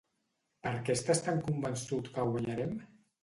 "Per què estàs tan convençut que guanyarem?"